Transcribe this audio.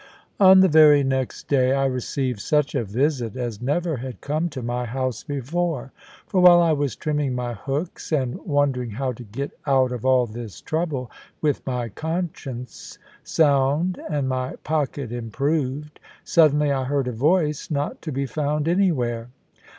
On the very next day, I received such a visit as never had come to my house before. For while I was trimming my hooks, and wondering how to get out of all this trouble with my conscience sound and my pocket improved; suddenly I heard a voice not to be found anywhere.